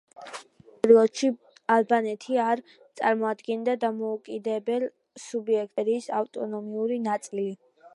ამ პერიოდში ალბანეთი არ წარმოადგენდა დამოუკიდებელ სუბიექტს, ის იყო იტალიის იმპერიის ავტონომიური ნაწილი.